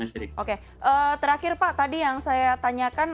terakhir pak tadi yang saya tanyakan